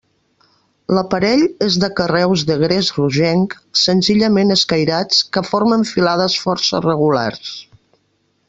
L'aparell és de carreus de gres rogenc, senzillament escairats, que formen filades força regulars.